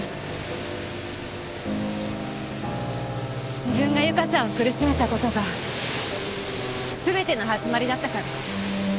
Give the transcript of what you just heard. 自分がゆかさんを苦しめた事が全ての始まりだったから。